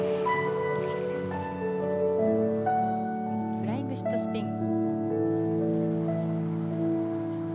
フライングシットスピン。